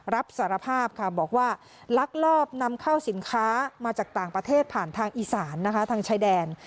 รับสารภาพค่ะบอกว่าลักลอบนำเข้าสินค้ามาจากต่างประเทศผ่านทางอีสานนะคะทางชายแดน